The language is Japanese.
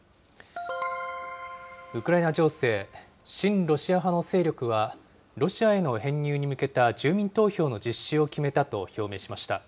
ウクライナ情勢、親ロシア派の勢力は、ロシアへの編入に向けた住民投票の実施を決めたと表明しました。